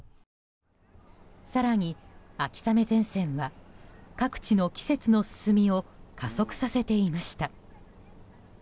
更に、秋雨前線は各地の季節の進みを加速させていました。